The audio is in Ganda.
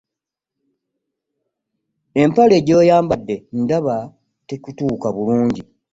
Empale gy'oyambadde ndaba tekutuuka bulungi.